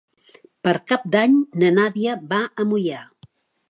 Per Cap d'Any na Nàdia va a Moià.